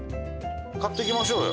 買っていきましょうよ。